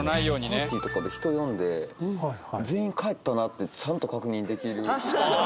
パーティーとかで人呼んで全員帰ったなってちゃんと確認できる。